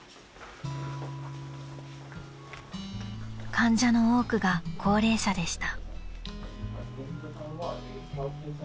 ［患者の多くが高齢者でした］